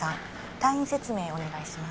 退院説明お願いします